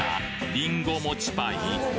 りんごもちパイ？